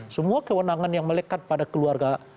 semua kewenangan yang melekat pada keluarga